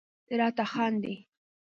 راته خاندي..